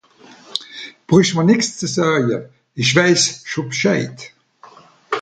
Brüch mer nix ze saje, isch weiss scho B'scheid!